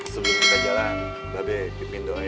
sebelum kita jalan babe pimpin doa